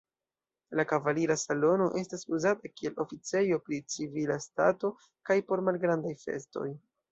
La kavalira salono estas uzata kiel oficejo pri civila stato kaj por malgrandaj festoj.